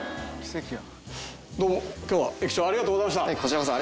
どうも今日は駅長ありがとうございました。